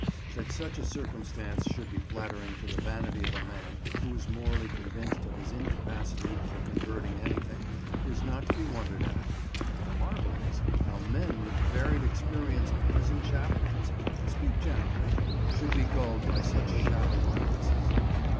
That such a circumstance should be flattering to the vanity of a man who is morally convinced of his incapacity for converting anything, is not to be wondered at, but the marvel is, how men with the varied experience of prison chaplains (I speak generally) should be gulled by such shallow artifices.